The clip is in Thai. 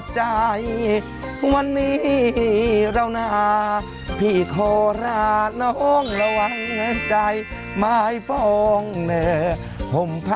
สวัสดีครับหน่อยข้างหลังเมืองเลย